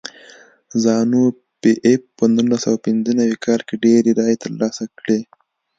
زانو پي ایف په نولس سوه پنځه نوي کال کې ډېرې رایې ترلاسه کړې.